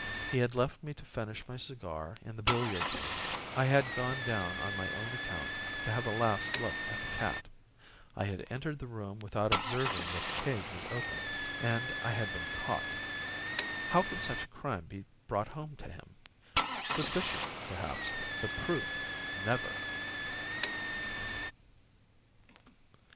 He had left me to finish my cigar in the billiard room. I had gone down on my own account to have a last look at the cat. I had entered the room without observing that the cage was opened, and I had been caught. How could such a crime be brought home to him? Suspicion, perhaps but proof, never!